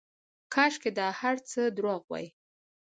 کاشکې دا هرڅه درواغ واى.